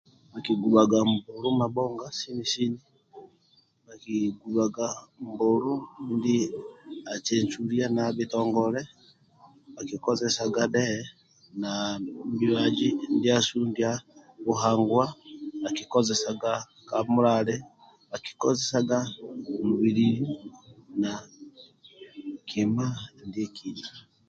Nkigubaga mbulu mabhonga sini sini sini akigubaga mbulu acenculia na bitongole akikozesaga dhe na mibazi ndiasu ndia buhanguwa akikozesaga kamulali akikozesaga mubilili na kima ndiekina